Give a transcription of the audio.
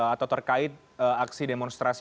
atau terkait aksi demonstrasi